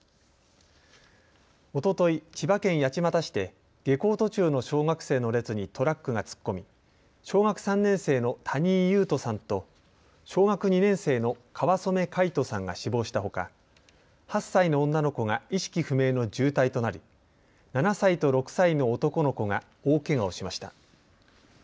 おととい、千葉県八街市で下校途中の小学生の列にトラックが突っ込み小学３年生の谷井勇斗さんと小学２年生の川染凱仁さんが死亡したほか８歳の女の子が意識不明の重体となり７歳と６歳の男の子が大けがをしました。